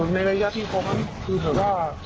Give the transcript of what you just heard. ในระยะที่พอพิษคือเถอะว่า